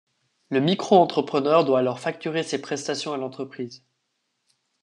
Le micro-entrepreneur doit alors facturer ses prestations à l'entreprise.